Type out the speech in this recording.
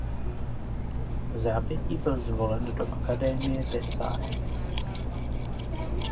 Vzápětí byl zvolen do Académie des sciences.